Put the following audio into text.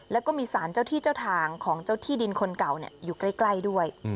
แล้วก็มีสารเจ้าที่เจ้าทางของเจ้าที่ดินคนเก่าอยู่ใกล้ด้วย